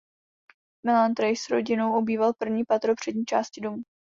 Melantrich s rodinou obýval první patro přední části domu.